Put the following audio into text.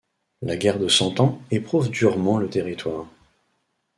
La guerre de Cent Ans éprouve durement le territoire.